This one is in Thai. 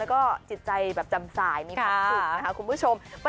แล้วก็ดูตื่นใจจำสายควรคร่าวคุณผู้ชม